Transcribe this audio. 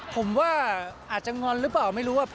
ผมว่าอาจจะงอนหรือเปล่าไม่รู้ว่า